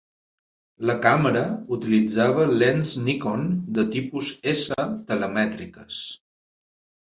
La càmera utilitzava lents Nikon de tipus "S" telemètriques.